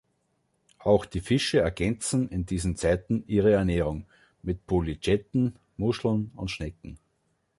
Auch die Fische ergänzen in diesen Zeiten ihre Ernährung mit Polychäten, Muscheln und Schnecken.